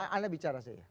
anda bicara saja